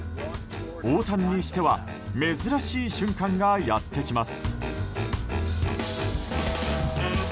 大谷にしては珍しい瞬間がやってきます。